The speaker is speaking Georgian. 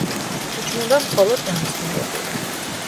იჭმება მხოლოდ დამწნილებული.